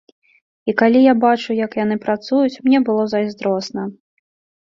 І калі я бачыў, як яны працуюць, мне было зайздросна.